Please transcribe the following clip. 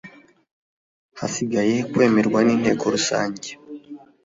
hasigaye kwemerwa n Inteko Rusange